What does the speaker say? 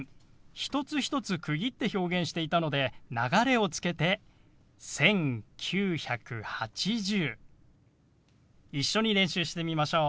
一つ一つ区切って表現していたので流れをつけて「１９８０」。一緒に練習してみましょう。